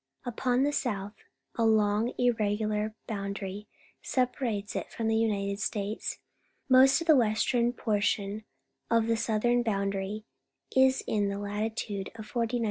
Upon the south a long, irregular boundary separates it from the United States. Most of the western portion of the southern boundary is in latitude 49° N.